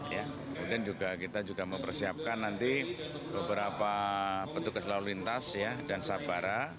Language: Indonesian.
kemudian kita juga mempersiapkan nanti beberapa petugas lalu lintas dan sabara